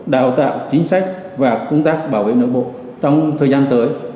đào tạo chính sách và công tác bảo vệ nội bộ trong thời gian tới